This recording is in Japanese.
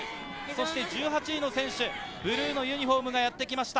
そして１８位の選手、ブルーのユニホームがやってきました。